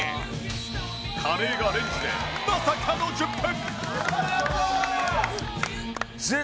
カレーがレンジでまさかの１０分！